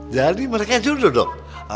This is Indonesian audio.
jadi mereka jodoh dong